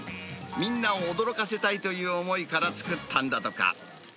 みんなを驚かせたいという思いから作ったんだとか。